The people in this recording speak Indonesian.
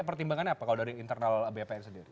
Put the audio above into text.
tapi pertimbangannya apa kalau dari internal bpn sendiri